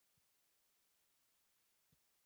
هغې د زړه له کومې د ځنګل ستاینه هم وکړه.